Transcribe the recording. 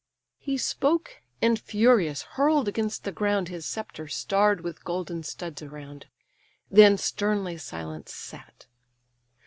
He spoke; and furious hurl'd against the ground His sceptre starr'd with golden studs around: Then sternly silent sat.